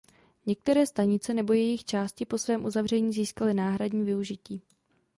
Některé stanice nebo jejich části po svém uzavření získaly náhradní využití.